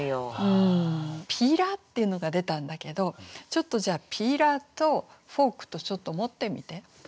ピーラーっていうのが出たんだけどじゃあピーラーとフォークとちょっと持ってみて。